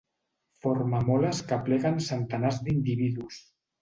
Forma moles que apleguen centenars d'individus.